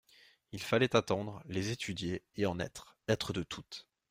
Il fallait attendre, les étudier, et en être, être de toutes.